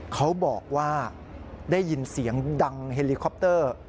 เขาบอกว่าได้ยินเสียงดังเฮลิคอปเตอร์